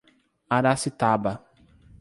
Aracitaba